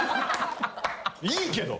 いいけど。